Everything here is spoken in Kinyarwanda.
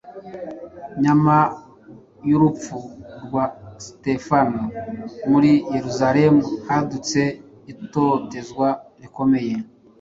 Nyuma y’urupfu rwa Sitefano muri Yerusalemu hadutse itotezwa rikomeye